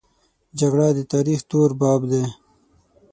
جګړه د تاریخ تور باب دی